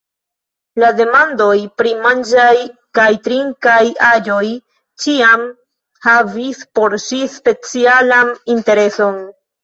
La demandoj pri manĝaj kaj trinkaj aĵoj ĉiam havis por ŝi specialan intereson.